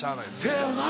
せやよな。